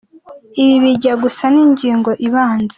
Ibi bijya gusa ni ingingo ibanza.